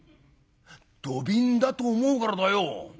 「土瓶だと思うからだよ。